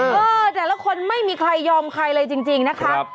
เออแต่ละคนไม่มีใครยอมใครเลยจริงนะคะ